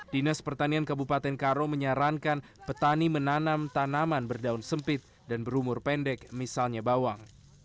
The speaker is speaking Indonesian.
dinas pertanian kabupaten karo menyarankan petani menanam tanaman berdaun sempit dan berumur pendek misalnya bawang